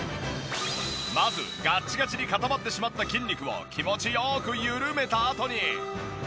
まずガッチガチに固まってしまった筋肉を気持ち良く緩めたあとに。